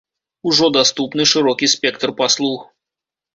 Ужо даступны шырокі спектр паслуг.